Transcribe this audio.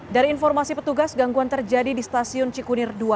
dari informasi petugas gangguan terjadi di stasiun cikunir dua